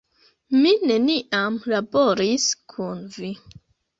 Mi neniam laboris kun vi!